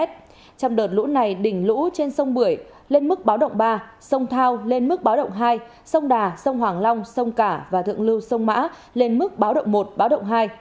trong đợt lũ này đỉnh lũ trên sông bưởi lên mức báo động ba sông thao lên mức báo động hai sông đà sông hoàng long sông cả và thượng lưu sông mã lên mức báo động một báo động hai